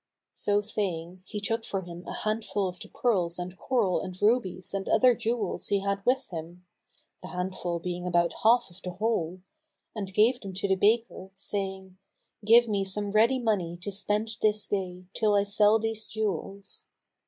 So saying, he took for him a handful of the pearls and coral and rubies and other jewels he had with him (the handful being about half of the whole), and gave them to the baker, saying, "Give me some ready money to spend this day, till I sell these jewels."